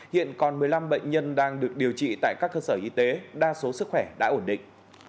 hiện còn một mươi năm bệnh nhân đang được điều trị tại các cơ sở y tế đa số sức khỏe đã ổn định